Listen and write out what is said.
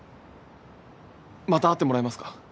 また会ってもらえますか？